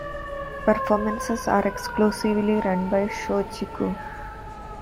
Performances are exclusively run by Shochiku.